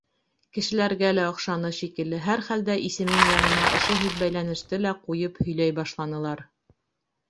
Кешеләргә лә оҡшаны шикелле, һәр хәлдә исемем янына ошо һүҙбәйләнеште лә ҡуйып һөйләй башланылар.